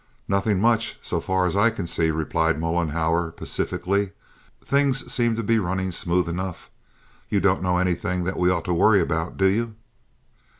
"Nothing much, so far as I can see," replied Mollenhauer, pacifically. "Things seem to be running smooth enough. You don't know anything that we ought to worry about, do you?"